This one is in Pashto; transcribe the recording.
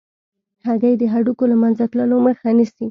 هګۍ د هډوکو له منځه تلو مخه نیسي.